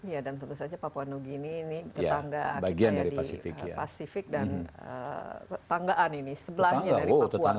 ya dan tentu saja papua new guinea ini tetangga bagian dari pasifik dan ketanggaan ini sebelahnya